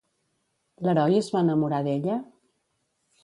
L'heroi es va enamorar d'ella?